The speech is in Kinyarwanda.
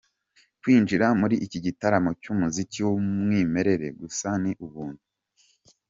Kwinjira muri iki gitaramo cy’umuziki w’umwimerere gusa ni ubuntu.